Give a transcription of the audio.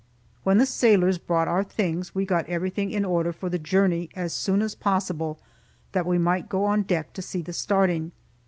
When the sailors brought our things, we got everything in order for the journey as soon as possible, that we might go on deck to see the starting.